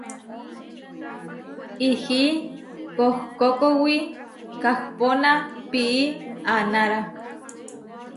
Ihí kohkókowi kahpóna pií aanára.